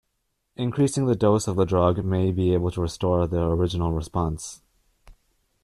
Increasing the dose of the drug may be able to restore the original response.